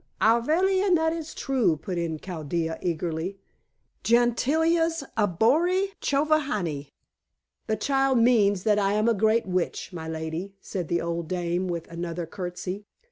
"Avali, and that is true," put in Chaldea eagerly. "Gentilla's a bori chovihani." "The child means that I am a great witch, my lady," said the old dame with another curtsey.